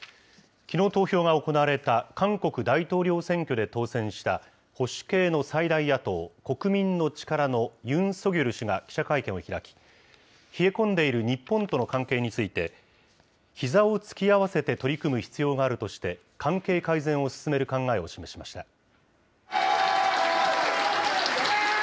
きのう投票が行われた韓国大統領選挙で当選した保守系の最大野党・国民の力のユン・ソギョル氏が記者会見を開き、冷え込んでいる日本との関係について、ひざを突き合わせて取り組む必要があるとして、関係改善を進める考えを示しました。